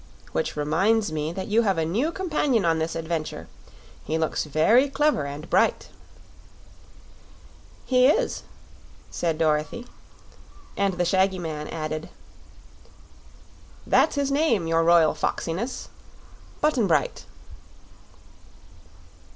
Which reminds me that you have a new companion on this adventure he looks very clever and bright." "He is," said Dorothy; and the shaggy man added: "That's his name, your Royal Foxiness Button Bright." 4.